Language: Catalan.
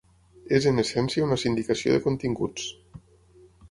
És en essència una sindicació de continguts.